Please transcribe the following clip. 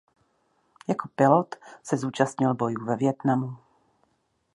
Jako pilot se zúčastnil bojů ve Vietnamu.